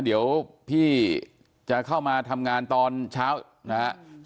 เดี๋ยวพี่จะเข้ามาทำงานตอนเช้านะครับ